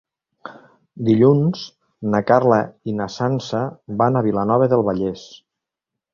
Dilluns na Carla i na Sança van a Vilanova del Vallès.